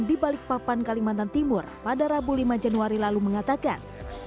di balikpapan kalimantan timur pada rabu lima januari lalu mengatakan